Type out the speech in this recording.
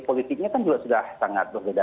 politiknya kan juga sudah sangat berbeda